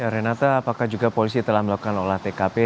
renata apakah juga polisi telah melakukan olah tkp